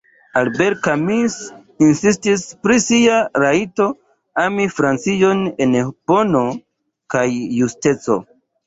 Albert Camus insistis pri sia rajto ami Francion en bono kaj justeco.